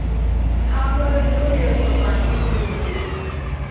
هغه لویه قرباني ورکوي.